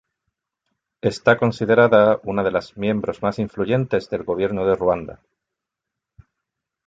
Está considerada una de las miembros más influyentes del gobierno de Ruanda.